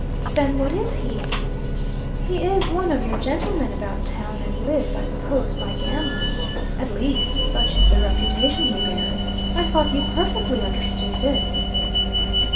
"Then what is he?" "He is one of your gentlemen about town, and lives, I suppose, by gambling. At least such is the reputation he bears. I thought you perfectly understood this."